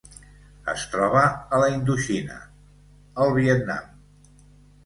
Es troba a la Indoxina: el Vietnam.